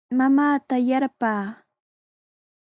Mamaata yarpaa.